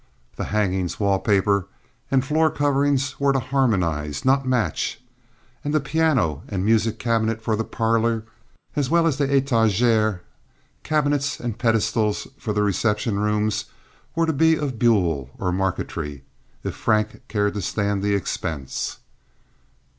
The hangings, wall paper, and floor coverings were to harmonize—not match—and the piano and music cabinet for the parlor, as well as the etagere, cabinets, and pedestals for the reception rooms, were to be of buhl or marquetry, if Frank cared to stand the expense.